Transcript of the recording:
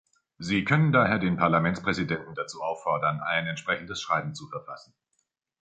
Sie können daher den Parlamentspräsidenten dazu auffordern, ein entsprechendes Schreiben zu verfassen.